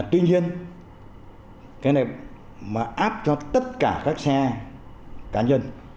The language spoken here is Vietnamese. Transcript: tuy nhiên cái này mà áp cho tất cả các xe cá nhân